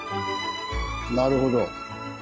なるほど。